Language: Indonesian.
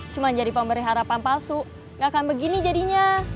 cuma jadi pemberi harapan palsu nggak akan begini jadinya